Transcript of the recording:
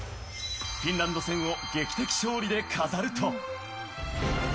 フィンランド戦を劇的勝利で飾ると。